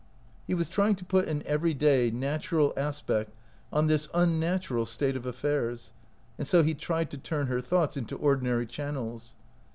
He was trying to put an every day, natural aspect on this unnatural state of af fairs, and so he tried to turn her thoughts into ordinary channels.